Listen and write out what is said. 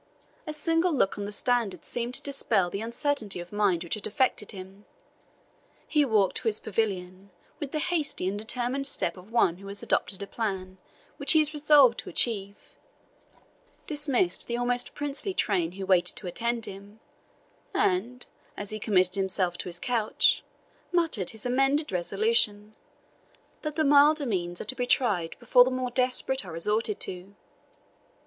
A single look on the standard seemed to dispel the uncertainty of mind which had affected him. He walked to his pavilion with the hasty and determined step of one who has adopted a plan which he is resolved to achieve, dismissed the almost princely train who waited to attend him, and, as he committed himself to his couch, muttered his amended resolution, that the milder means are to be tried before the more desperate are resorted to.